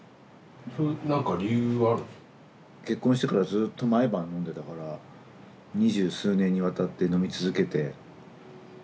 結婚してからずっと毎晩飲んでたから二十数年にわたって飲み続けて疲れてきたみたいなことかな。